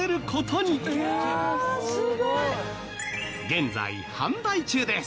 現在販売中です。